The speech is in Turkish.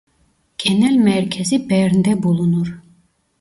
Genel merkezi Bern'de bulunur.